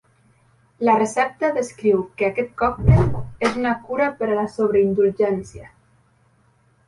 La recepta descriu que aquest còctel és una cura per a la sobreindulgència.